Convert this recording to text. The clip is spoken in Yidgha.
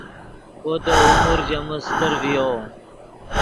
وو دے عمر ژے من استر ڤیو